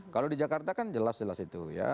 kalau di jakarta kan jelas jelas itu ya